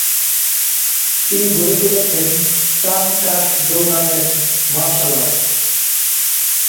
তিনি গড়ে তুলেছেন চান কাক দো নামের মার্শালআর্ট।